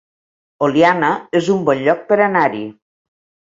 Oliana es un bon lloc per anar-hi